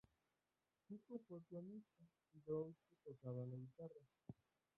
Chico fue pianista, y Groucho tocaba la guitarra.